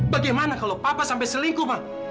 bagaimana kalau papa sampai selingkuh